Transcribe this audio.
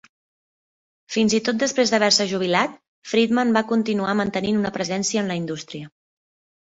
Fins i tot després d'haver-se jubilat, Freedman va continuar mantenint una presència en la indústria.